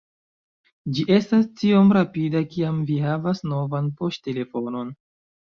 Ĝi estas tiom rapida kiam vi havas novan poŝtelefonon